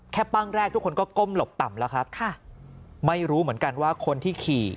ปั้งแรกทุกคนก็ก้มหลบต่ำแล้วครับค่ะไม่รู้เหมือนกันว่าคนที่ขี่